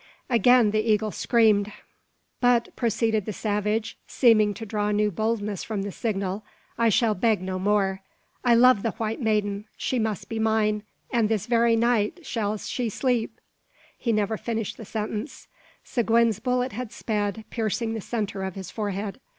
Again the eagle screamed! "But," proceeded the savage, seeming to draw new boldness from the signal, "I shall beg no more. I love the white maiden. She must be mine; and this very night shall she sleep " He never finished the sentence. Seguin's bullet had sped, piercing the centre of his forehead.